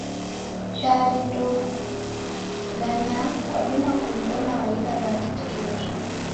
Chari ndouganyaa, kwadima kumbona waida w'andu kituri.